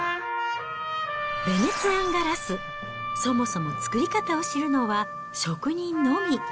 ヴェネツィアンガラス、そもそも作り方を知るのは、職人のみ。